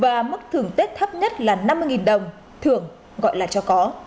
và mức thưởng tết thấp nhất là năm mươi nghìn đồng thường gọi là cho có